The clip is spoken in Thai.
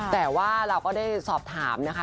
คุณผู้ชมค่ะคุณผู้ชมค่ะ